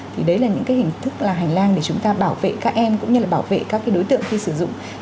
thì đấy là những cái hình thức là hành lang để chúng ta bảo vệ các em cũng như là bảo vệ các cái đối tượng khi sử dụng